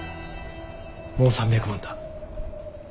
もう３００万だ。